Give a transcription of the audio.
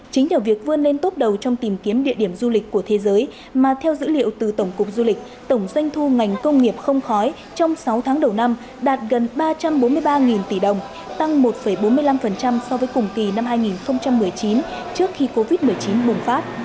chính nhờ việc vươn lên tốt đầu trong tìm kiếm địa điểm du lịch của thế giới mà theo dữ liệu từ tổng cục du lịch tổng doanh thu ngành công nghiệp không khói trong sáu tháng đầu năm đạt gần ba trăm bốn mươi ba tỷ đồng tăng một bốn mươi năm so với cùng kỳ năm hai nghìn một mươi chín trước khi covid một mươi chín bùng phát